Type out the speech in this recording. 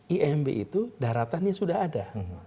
imb itu daratannya sudah ada